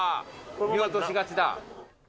見落としがちだ。